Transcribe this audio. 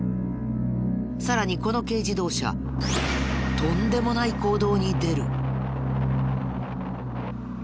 さらにこの軽自動車とんでもない行動に出る。